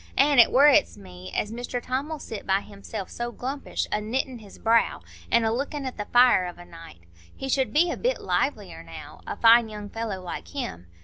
An' it worrets me as Mr Tom'll sit by himself so glumpish, a knittin' his brow, an' a lookin' at the fire of a night. He should be a bit livelier now, a fine young fellow like him.